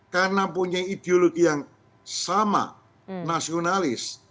karena punya ideologi yang sama nasionalis